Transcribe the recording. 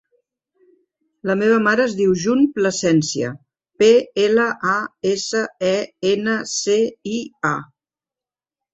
La meva mare es diu June Plasencia: pe, ela, a, essa, e, ena, ce, i, a.